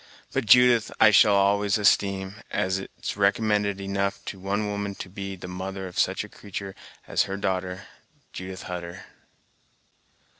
But Judith I shall always esteem, as it's recommend enough to one woman to be the mother of such a creatur' as her darter, Judith Hutter!"